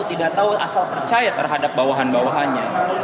tidak tahu asal percaya terhadap bawahan bawahannya